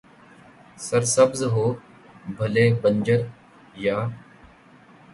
سر سبز ہو، بھلے بنجر، یہ